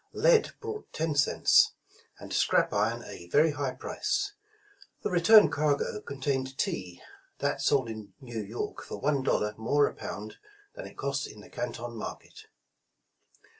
Lead brought ten cents, and scrap iron a very high price. The return cargo contained tea, that sold in New York for one dollar more a pound than it cost in the Canton market.